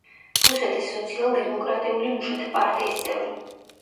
რუსეთის სოციალ-დემოკრატიული მუშათა პარტიის წევრი.